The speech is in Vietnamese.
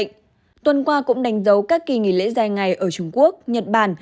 tuy nhiên tuần qua cũng đánh dấu các kỳ nghỉ lễ dài ngày ở trung quốc nhật bản